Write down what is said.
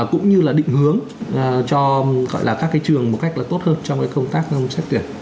cũng như là định hướng cho gọi là các cái trường một cách là tốt hơn trong cái công tác xét tuyển